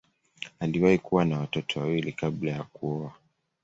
Aliwahi kuwa na watoto wawili kabla ya kuoa.